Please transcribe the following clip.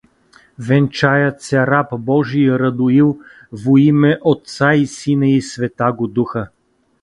— Венчается раб божий Радоил, во име отца и сина и святаго духа.